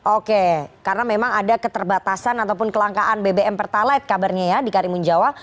oke karena memang ada keterbatasan ataupun kelangkaan bbm pertalite kabarnya ya di karimun jawa